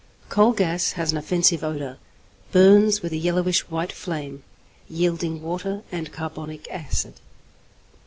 Coal gas has an offensive odour, burns with a yellowish white flame, yielding water and carbonic acid.